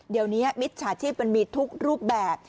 เดี๋ยวนี้มิจฉาชีพมันมีทุกรูปแบบ